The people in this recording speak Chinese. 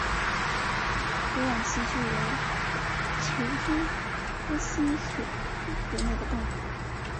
沟岸希蛛为球蛛科希蛛属的动物。